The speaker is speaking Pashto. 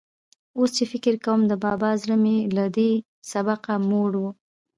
اوس چې فکر کوم، د بابا زړه مې له دې سبقه موړ و.